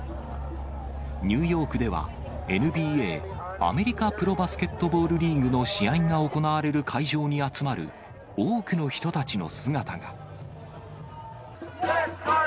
ニューヨークでは、ＮＢＡ・アメリカプロバスケットボールリーグの試合が行われる会場に集まる多くの人たちの姿が。